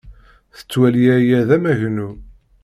Tettwali aya d amagnu.